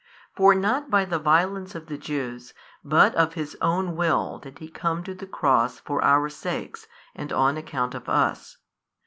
For not by the violence of the Jews, but of His own Will did He come to the Cross for our sakes and on account of us.